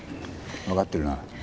わかってるな？